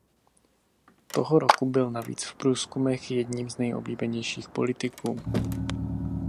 Toho roku byl navíc v průzkumech jedním z nejoblíbenějších politiků.